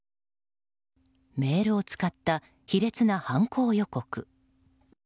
メールを使った卑劣な犯行予告。